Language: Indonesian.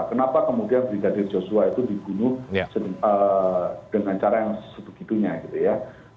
kenapa kemudian brigadir joshua itu dibunuh dengan cara yang sebegitunya gitu ya